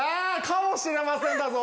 かもしれませんだぞ！